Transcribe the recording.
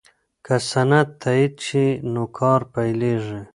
که سند تایید شي نو کار پیلیږي.